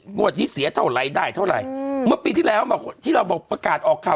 งวดนี้เสียเท่าไหร่ได้เท่าไหร่เมื่อปีที่แล้วที่เราบอกประกาศออกข่าว